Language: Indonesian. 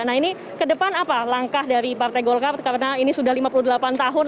nah ini ke depan apa langkah dari partai golkar karena ini sudah lima puluh delapan tahun